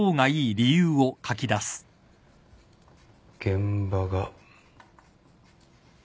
現場が。